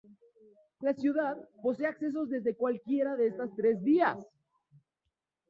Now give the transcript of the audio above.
La ciudad, posee accesos desde cualquiera de estas tres vías.